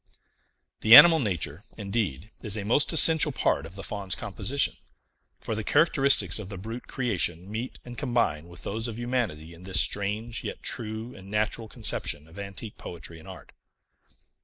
The animal nature, indeed, is a most essential part of the Faun's composition; for the characteristics of the brute creation meet and combine with those of humanity in this strange yet true and natural conception of antique poetry and art.